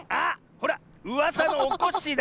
ほらうわさのおこっしぃだ！